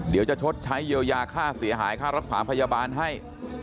เดี๋ยวจะชดใช้เยลยาค่าเสียหายค่ารักษาพยาบาลให้